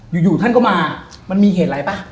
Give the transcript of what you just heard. อยู่ท่านก็มามันมีเหตุอะไรป่ะ